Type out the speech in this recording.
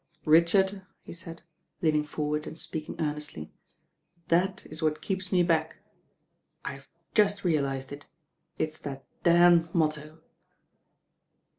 Richard," he said, leaning forward and speaking earnestly, "that is what keeps me back. I've just realised it. It's that damned motto.